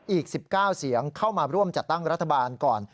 อีก๑๙เสียงเข้ามาร่วมจัดตั้งรัฐบาลก่อน